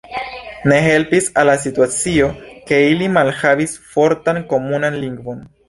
Ne helpis al la situacio, ke ili malhavis fortan komunan lingvon.